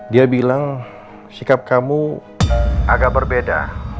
dia bilang sikap kamu agak berbeda